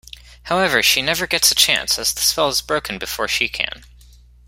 However, she never gets a chance as the spell is broken before she can.